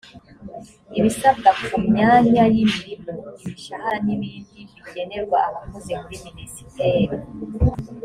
ibisabwa ku myanya y imirimo , imishahara n ibindi bigenerwa abakozi muri minisiteri